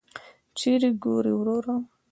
چیري ګورې وروره !